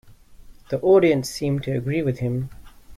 The audience seemed to agree with him.